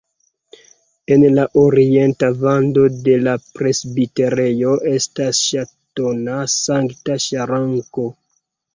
En la orienta vando de la presbiterejo estas ŝtona sankta ŝranko.